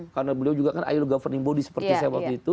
karena beliau juga kan ilo governing body seperti saya waktu itu